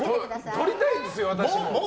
とりたいんですよ、私も。